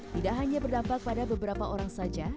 tidak hanya berdampak pada beberapa orang saja